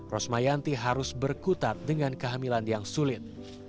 rosmayanti harus berkutat dengan kehamilan yang sulit